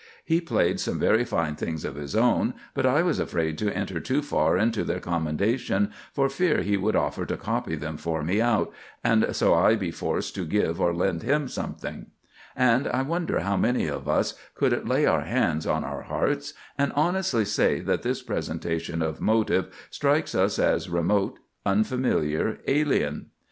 He played some very fine things of his own, but I was afraid to enter too far into their commendation, for fear he should offer to copy them for me out, and so I be forced to give or lend him something,"—and I wonder how many of us could lay our hands on our hearts and honestly say that this presentation of motive strikes us as remote, unfamiliar, alien.